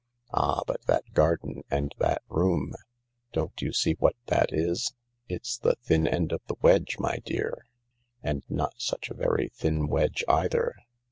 "Ah— but that garden and that room— don't you see what that is ? It 's the thin end of the wedge, my dear. And not such a very thin wedge either.